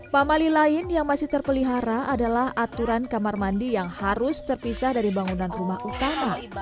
pamali lain yang masih terpelihara adalah aturan kamar mandi yang harus terpisah dari bangunan rumah utama